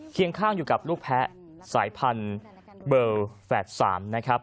ข้างอยู่กับลูกแพ้สายพันธุ์เบอร์แฝด๓นะครับ